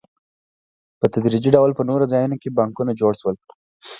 په تدریجي ډول په نورو ځایونو کې بانکونه جوړ شول